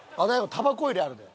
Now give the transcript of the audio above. たばこ入れあるで。